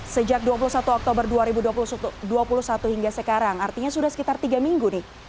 sejak dua puluh satu oktober dua ribu dua puluh satu hingga sekarang artinya sudah sekitar tiga minggu nih